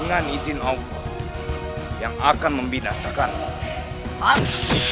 dengan izin allah yang akan membinasakanmu